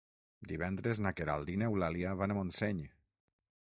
Divendres na Queralt i n'Eulàlia van a Montseny.